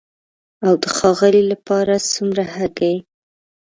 او د ښاغلي لپاره څومره هګۍ؟